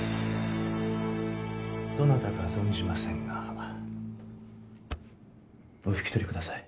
どなたか存じませんがお引き取りください。